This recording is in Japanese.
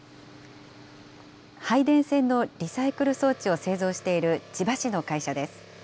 廃電線のリサイクル装置を製造している千葉市の会社です。